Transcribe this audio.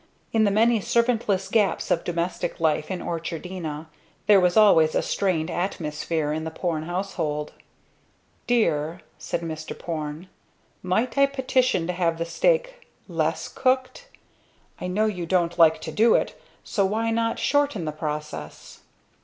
In the many servantless gaps of domestic life in Orchardina, there was always a strained atmosphere in the Porne household. "Dear," said Mr. Porne, "might I petition to have the steak less cooked? I know you don't like to do it, so why not shorten the process?"